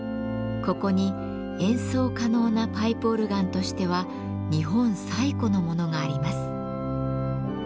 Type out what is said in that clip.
ここに演奏可能なパイプオルガンとしては日本最古のものがあります。